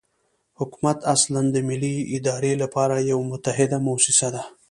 حکومت اصلاً د ملي ادارې لپاره یوه متحده موسسه ده.